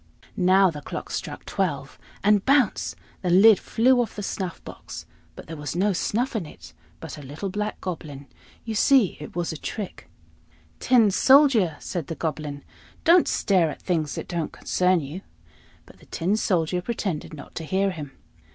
Now the clock struck twelve and, bounce! the lid flew off the snuff box; but there was no snuff in it, but a little black Goblin: you see, it was a trick. "Tin Soldier!" said the Goblin, "don't stare at things that don't concern you." But the Tin Soldier pretended not to hear him.